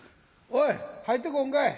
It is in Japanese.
おい入ってこんかい。